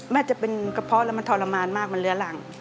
จะเป็นกระเพาะแล้วมันทรมานมากมันเหลือหลัง